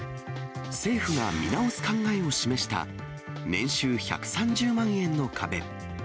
政府が見直す考えを示した、年収１３０万円の壁。